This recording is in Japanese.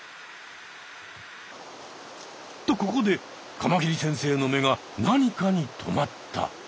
とここでカマキリ先生の目が何かにとまった。